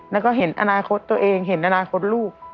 แล้วก็เห็นอนาคตตัวเองเห็นอนาคตลูก